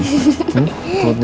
makan semua put gangstut nih